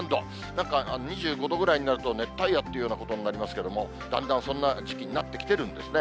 なんか２５度ぐらいになると、熱帯夜っていうようなことになりますけれども、だんだんそんな時期になってきてるんですね。